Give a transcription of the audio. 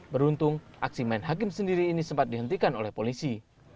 beruntung aksi main hakim sendiri ini sempat dihentikan oleh polisi